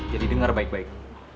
jadi dengar baik baik